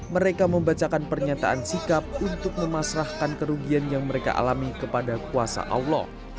mereka membacakan pernyataan sikap untuk memasrahkan kerugian yang mereka alami kepada kuasa allah